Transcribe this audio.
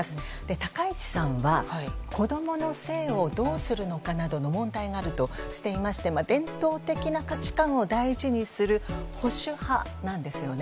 高市さんは子供の姓をどうするのかなどの問題があるとしていて伝統的な価値観を大事にする保守派なんですよね。